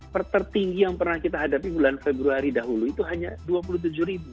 pertertinggi yang pernah kita hadapi bulan februari dahulu itu hanya dua puluh tujuh ribu